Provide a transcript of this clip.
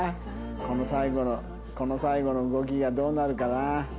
この最後のこの最後の動きがどうなるかな。